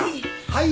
はい。